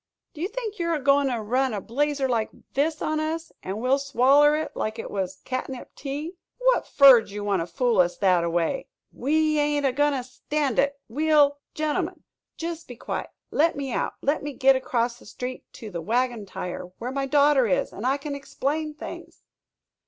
"Do you think you're a goin' to run a blazer like this on us, and we'll swaller hit like hit was catnip tea?" "What fer did ye want to fool us thataway?" "We ain't a goin' to stand it we'll " "Gentlemen, jest be quiet. Let me out let me git across the street to the Wagon Tire where my daughter is and I can explain things."